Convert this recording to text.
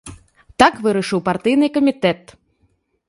Так вырашыў партыйны камітэт.